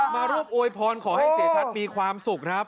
มารูปโอยพรขอให้เกดทัศน์มีความสุขครับ